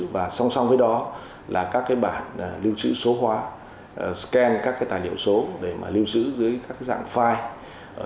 và song song với đó là các bản lưu trữ số hóa scan các tài liệu số để lưu trữ dưới các dạng file